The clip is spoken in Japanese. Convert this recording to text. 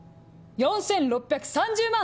４６３０万！